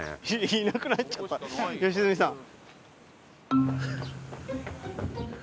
いなくなっちゃった良純さん。